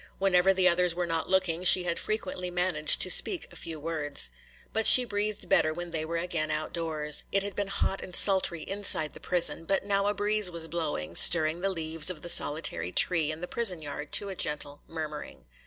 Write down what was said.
Whenever the others were not looking she had frequently managed to speak a few words. But she breathed better when they were again outdoors. It had been hot and sultry inside the prison, but now a breeze was blowing, stirring the leaves of the solitary tree in the prison yard to a gentle murmuring.